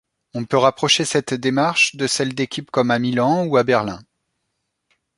On peut rapprocher cette démarche de celle d’équipes comme à Milan ou à Berlin.